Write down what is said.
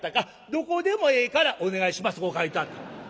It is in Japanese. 「どこでもええからお願いします」とこう書いてあった。